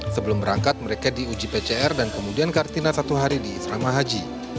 sebelum berangkat mereka diuji pcr dan kemudian kartina satu hari di asrama haji